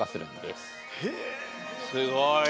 すごい。